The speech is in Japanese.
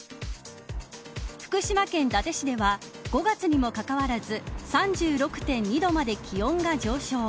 福島県伊達市では５月にもかかわらず３６．２度まで気温が上昇。